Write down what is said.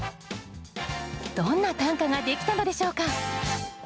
どんな短歌ができたのでしょうか？